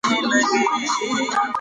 د ځمکې مرکز ډېر ګرم دی.